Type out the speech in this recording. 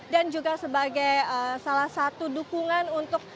dan juga sebagai salah satu dukungan untuk